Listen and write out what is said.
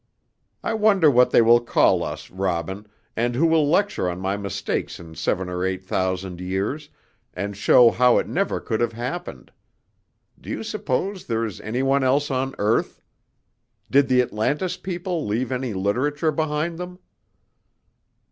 "I wonder what they will call us, Robin, and who will lecture on my mistakes in seven or eight thousand years, and show how it never could have happened. Do you suppose there is any one else on earth? Did the Atlantis people leave any literature behind them?"